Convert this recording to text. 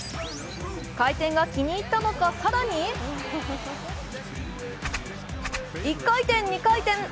回転が気に入ったのか更に１回転、２回転。